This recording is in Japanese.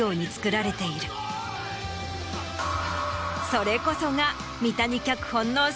それこそが。